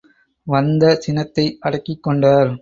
வந்த சினத்தை அடக்கிக்கொண்டார்.